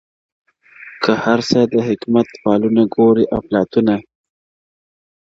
• که هر څه د حکمت فالونه ګورې افلاطونه! -